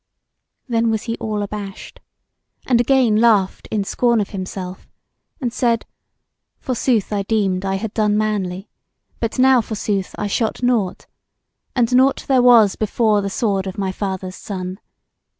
Then was he all abashed, and again laughed in scorn of himself, and said: Forsooth I deemed I had done manly; but now forsooth I shot nought, and nought there was before the sword of my father's son.